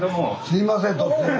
すいません突然。